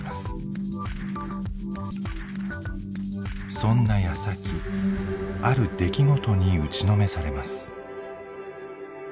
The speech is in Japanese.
そんなやさきある出来事に打ちのめされます。